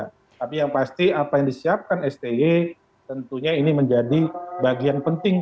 tapi yang pasti apa yang disiapkan stj tentunya ini menjadi bagian penting